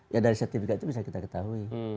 ya dari sertifikat itu bisa kita ketahui